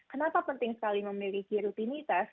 kenapa penting sekali memiliki rutinitas